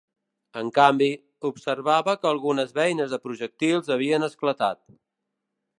En canvi, observava que algunes beines de projectils havien esclatat.